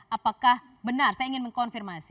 apakah benar saya ingin mengkonfirmasi